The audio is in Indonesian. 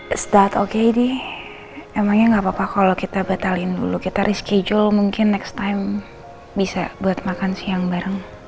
is that oke ini emangnya gak apa apa kalau kita batalin dulu kita reschedule mungkin next time bisa buat makan siang bareng